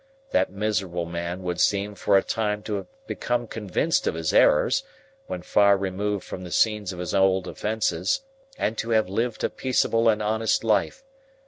That miserable man would seem for a time to have become convinced of his errors, when far removed from the scenes of his old offences, and to have lived a peaceable and honest life.